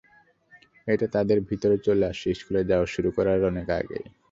এটা তাদের ভেতরে চলে আসে স্কুলে যাওয়া শুরু করার অনেক আগেই।